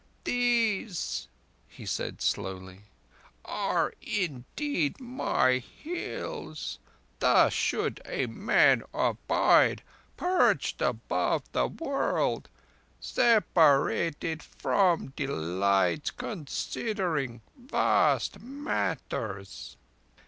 "These," he said slowly, "are indeed my Hills. Thus should a man abide, perched above the world, separated from delights, considering vast matters."